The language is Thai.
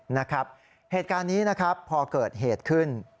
นะครับเหตุการณ์นี้นะครับพอเกิดเหตุขึ้น